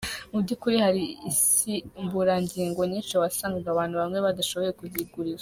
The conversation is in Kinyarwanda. Mu by’ukuri hari insimburangingo nyinshi wasangaga abantu bamwe badashoboye kuzigurira.